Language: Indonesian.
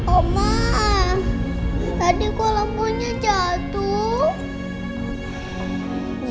oma tadi kok lampunya jatuh